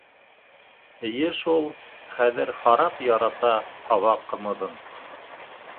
— Эйе шул, хәҙер харап ярата һаба ҡымыҙын.